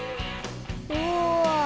うわ。